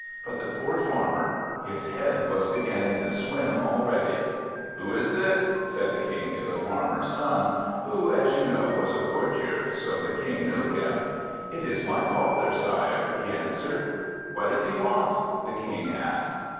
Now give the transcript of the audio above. But the poor Farmer! his head was beginning to swim already. "Who is this?" said the King to the Farmer's son, who, as you know, was a courtier, so the King knew him. "It is my father, Sire," he answered. "What does he want?" the King asked.